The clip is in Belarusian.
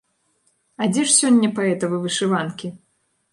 А дзе ж сёння паэтавы вышыванкі?